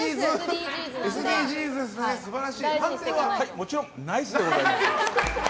もちろんナイスでございます。